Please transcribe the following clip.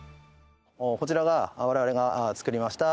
こちらが我々が作りました